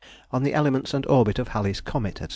On the Elements and Orbit of Halley's Comet, &c.